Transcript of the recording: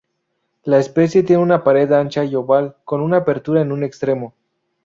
La especie tiene una pared ancha y oval con una apertura en un extremo.